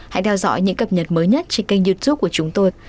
hãy theo dõi những cập nhật mới nhất trên kênh youtube của chúng tôi